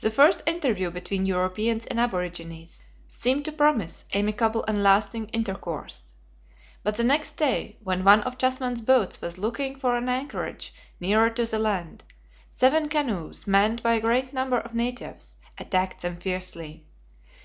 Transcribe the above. This first interview between Europeans and aborigines seemed to promise amicable and lasting intercourse. But the next day, when one of Tasman's boats was looking for an anchorage nearer to the land, seven canoes, manned by a great number of natives, attacked them fiercely.